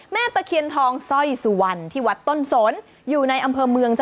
ตะเคียนทองสร้อยสุวรรณที่วัดต้นสนอยู่ในอำเภอเมืองจ้